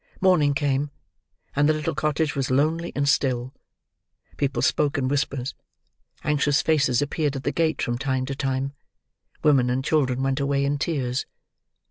Morning came; and the little cottage was lonely and still. People spoke in whispers; anxious faces appeared at the gate, from time to time; women and children went away in tears.